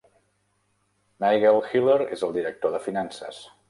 Nigel Hiller és el director de finances.